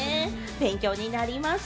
勉強になります。